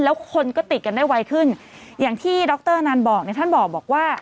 แล้วคนก็ติดกันได้ไวขึ้นอย่างที่ดรอนันต์บอกเนี่ยท่านบอกว่า